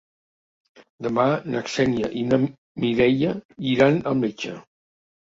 Demà na Xènia i na Mireia iran al metge.